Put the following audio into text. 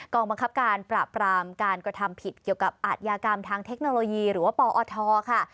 บังคับการปราบรามการกระทำผิดเกี่ยวกับอาทยากรรมทางเทคโนโลยีหรือว่าปอทค่ะ